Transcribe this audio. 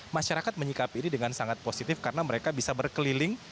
masyarakat menyikapi ini dengan sangat positif karena mereka bisa berkeliling